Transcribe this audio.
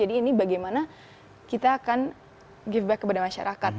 jadi ini bagaimana kita akan berpikir kepada masyarakat